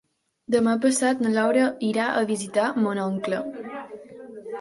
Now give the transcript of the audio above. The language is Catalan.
Demà passat na Laura irà a visitar mon oncle.